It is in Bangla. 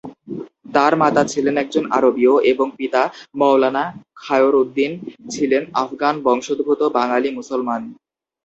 তাঁর মাতা ছিলেন একজন আরবীয় এবং পিতা মওলানা খায়রউদ্দীন ছিলেন আফগান বংশোদ্ভূত বাঙালি মুসলমান।